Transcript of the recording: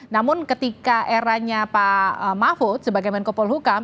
namun ketika eranya pak mahfud sebagai menko polhukam